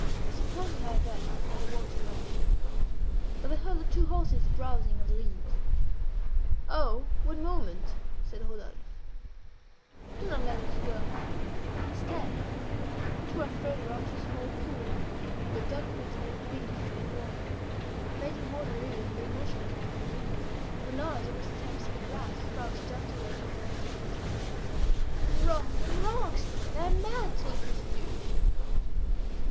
He supported her thus as they walked along. But they heard the two horses browsing on the leaves. "Oh! one moment!" said Rodolphe. "Do not let us go! Stay!" He drew her farther on to a small pool where duckweeds made a greenness on the water. Faded water lilies lay motionless between the reeds. At the noise of their steps in the grass, frogs jumped away to hide themselves. "I am wrong! I am wrong!" she said. "I am mad to listen to you!"